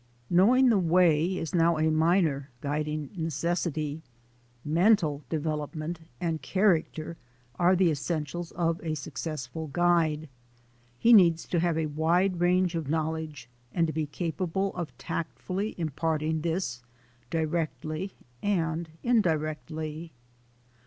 Knowing the way is now a minor guiding neces sity. Mental development and character are the essentials of a successful guide. He needs to have a wide range of knowledge and to be capable of tactfully imparting this directly and indirectly.